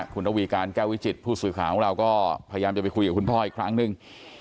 คุณระวีการแก้ววิจิตผู้สื่อข่าวของเราก็พยายามจะไปคุยกับคุณพ่ออีกครั้งหนึ่ง